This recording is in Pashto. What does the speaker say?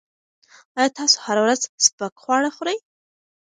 ایا تاسو هره ورځ سپک خواړه خوري؟